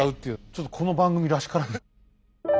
ちょっとこの番組らしからぬ。